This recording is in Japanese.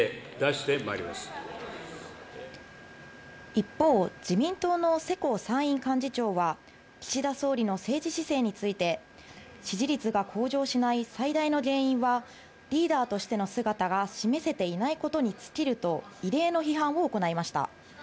一方、自民党の世耕参院幹事長は岸田総理の政治姿勢について、支持率が向上しない最大の原因は、リーダーとしての姿が示せていないことに尽きると異例の批判を行いました。